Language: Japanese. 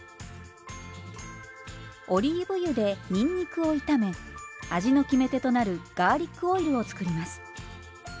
オリーブ油でにんにくを炒め味の決め手となるガーリックオイルを作ります。